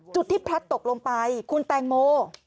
จุดที่พลัดตกลงไปคุณแตงโม